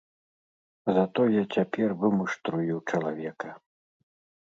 Затое цяпер вымуштрую чалавека.